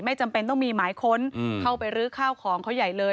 จำเป็นต้องมีหมายค้นเข้าไปรื้อข้าวของเขาใหญ่เลย